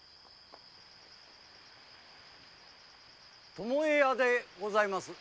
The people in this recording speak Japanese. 巴屋でございます。